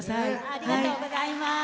ありがとうございます。